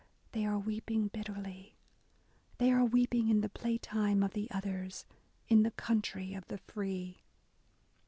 They are weeping bitterly ! They are weeping in the playtime of the others. In the country of the free.